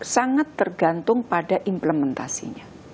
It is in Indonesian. sangat tergantung pada implementasinya